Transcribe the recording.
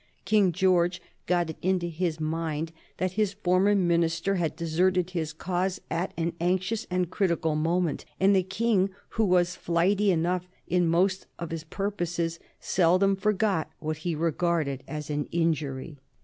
King George got it into his mind that his former minister had deserted his cause at an anxious and critical moment, and the King, who was flighty enough in most of his purposes, seldom forgot what he regarded as an injury.